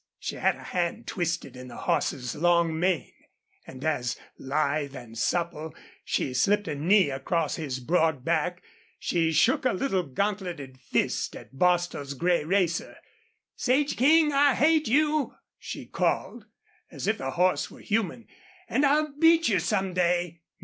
She had a hand twisted in the horse's long mane, and as, lithe and supple, she slipped a knee across his broad back she shook a little gantleted fist at Bostil's gray racer. "Sage King, I hate you!" she called, as if the horse were human. "And I'll beat you some day!"